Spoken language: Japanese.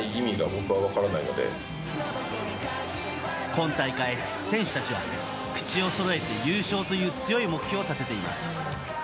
今大会、選手たちは口をそろえて、優勝という強い目標を立てています。